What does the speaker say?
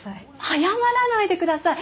謝らないでください！